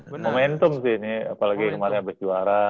menyintum sih ini apalagi kemarin abis juara